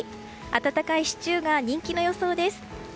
温かいシチューが人気の予想です。